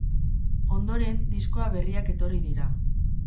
Ondoren diskoa berriak etorri dira.